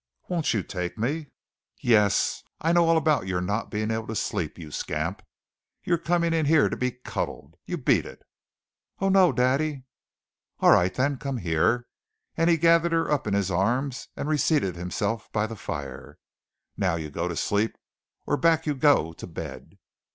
"Won't you take me?" "Yes, I know all about your not being able to sleep, you scamp. You're coming in here to be cuddled. You beat it!" "Oh, no, Daddy!" "All right, then, come here." And he gathered her up in his arms and reseated himself by the fire. "Now you go to sleep or back you go to bed."